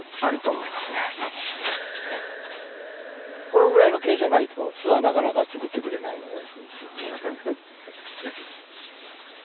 このぐらいの傾斜ないと巣はなかなか作ってくれないので。